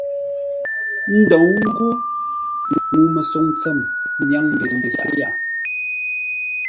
Ndou ńgó ŋuu-məsoŋ tsəm nyáŋ ndəu ndesé yaʼa.